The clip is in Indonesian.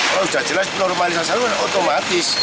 kalau sudah jelas normalisasi otomatis